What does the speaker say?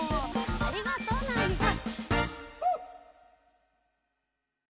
ありがとうナーニさん。